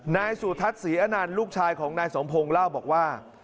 นายสุทัศน์ศรีอนันต์ลูกชายของนายสมพงศ์เล่าบอกว่า